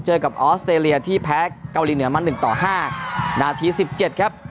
เจอกับออสเตรเลียที่แพ้เกาหลีเหนือมาหนึ่งต่อห้านาทีสิบเจ็ดครับ